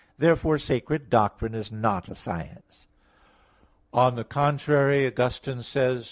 Therefore sacred doctrine is not a science. On the contrary, Augustine says (De Trin.